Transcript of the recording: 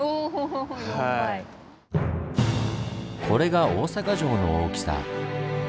これが大坂城の大きさ。